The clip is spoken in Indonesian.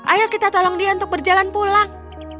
ayo kita tolong dia untuk berjalan pulang